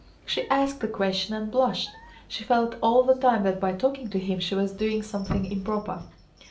She asked the question and blushed. She felt all the time that by talking to him she was doing something improper.